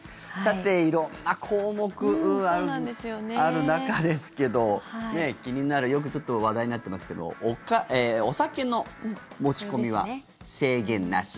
色んな項目ある中ですけど気になるよく、ちょっと話題になってますけどお酒の持ち込みは制限なし。